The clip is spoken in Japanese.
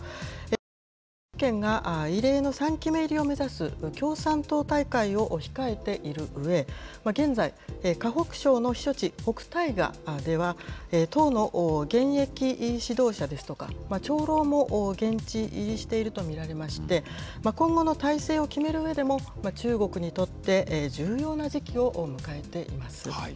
また習政権が異例の３期目入りを目指す共産党大会を控えているうえ、現在、河北省の避暑地、北戴河では、党の現役指導者ですとか、長老も現地入りしていると見られまして、今後の体制を決めるうえでも、中国にとって重要な時期を迎えています。